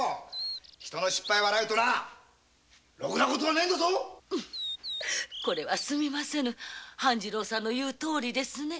人の失敗を笑うとろくな事がねぇぞ。すみませぬ半次郎さんの言うとおりですね。